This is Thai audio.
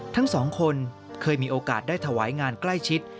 ทั้งสองคนเคยมีโอกาสได้ถวายงานใกล้ชิด